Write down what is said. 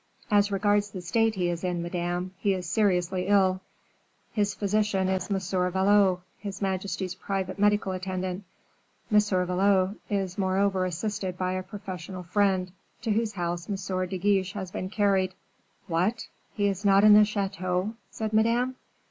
"As regards the state he is in, Madame, he is seriously ill; his physician is M. Valot, his majesty's private medical attendant. M. Valot is moreover assisted by a professional friend, to whose house M. de Guiche has been carried." "What! he is not in the chateau?" said Madame.